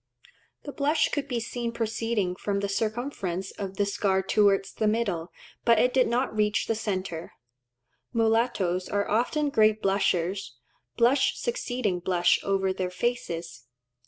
The blush could be seen proceeding from the circumference of the scar towards the middle, but it did not reach the centre. Mulattoes are often great blushers, blush succeeding blush over their faces.